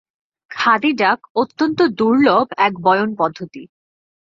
খাদী-ডাক অত্যন্ত দুর্লভ এক বয়নপদ্ধতি।